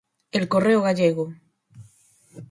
¡El Correo Gallego!